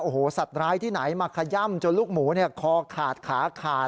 โอ้โหสัตว์ร้ายที่ไหนมาขย่ำจนลูกหมูคอขาดขาขาด